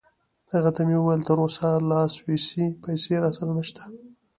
هغه ته مې وویل: تراوسه لا سویسی پیسې راسره نشته.